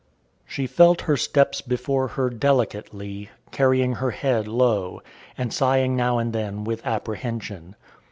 She felt her steps before her delicately, carrying her head low, and sighing now and then with apprehension.